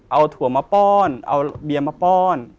เอาถั่วมาป้อนเอาเบียร์มาป้อน